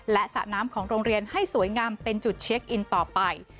และสระน้ำของโรงเรียนให้สวยงามเป็นจุดเช็คอินต่อไป